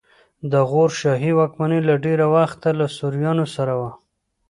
د غور شاهي واکمني له ډېره وخته له سوریانو سره وه